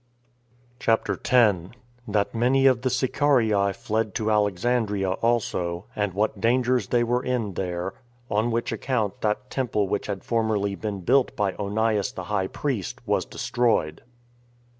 CHAPTER 10. That Many Of The Sicarii Fled To Alexandria Also And What Dangers They Were In There; On Which Account That Temple Which Had Formerly Been Built By Onias The High Priest Was Destroyed.